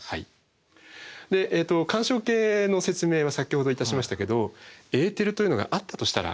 干渉計の説明は先ほどいたしましたけどエーテルというのがあったとしたら。